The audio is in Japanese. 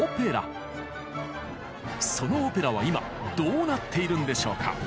そのオペラは今どうなっているんでしょうか。